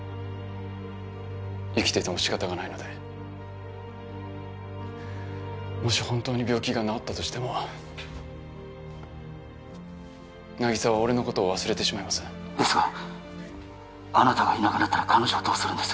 生きてても仕方がないのでもし本当に病気が治ったとしても渚は俺のことを忘れてしまいますですがあなたがいなくなったら彼女はどうするんです？